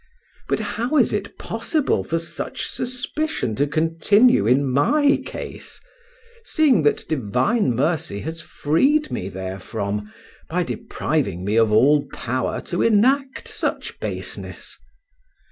But how is it possible for such suspicion to continue in my case, seeing that divine mercy has freed me therefrom by depriving me of all power to enact such baseness?